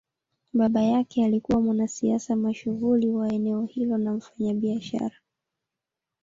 Baba yake alikuwa mwanasiasa mashuhuri wa eneo hilo na mfanyabiashara.